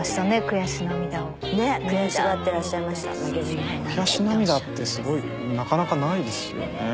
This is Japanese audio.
悔し涙ってすごいなかなかないですよね。